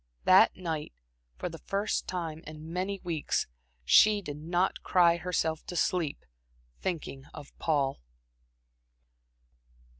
That night, for the first time in many weeks, she did not cry herself to sleep, thinking of Paul.